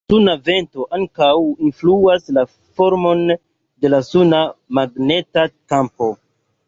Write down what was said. La suna vento ankaŭ influas la formon de la suna magneta kampo.